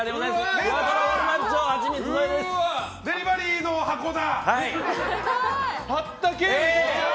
デリバリーの箱だ。